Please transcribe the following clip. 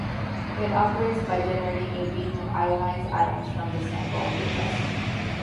It operates by generating a beam of ionized atoms from the sample under test.